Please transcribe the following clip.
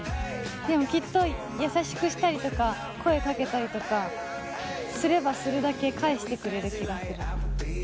でもきっと優しくしたりとか、声かけたりとか、すればするだけ返してくれる気がする。